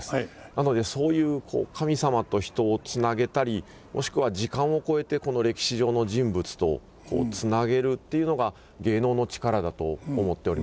なのでそういう神様と人をつなげたりもしくは時間を超えて歴史上の人物とつなげるっていうのが芸能の力だと思っております。